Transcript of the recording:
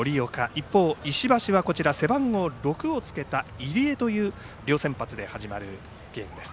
一方、石橋は背番号６をつけた入江という両先発で始まるゲームです。